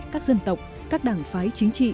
các dân tộc các đảng phái chính trị